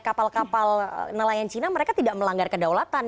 kapal kapal nelayan cina mereka tidak melanggar kedaulatan